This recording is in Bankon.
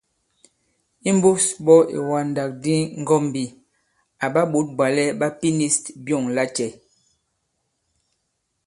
Imbūs ɓɔ̄ ìwàndàkdi ŋgɔ̄mbī, àɓa ɓǒt bwàlɛ ɓa pinīs byɔ̂ŋ lacɛ̄ ?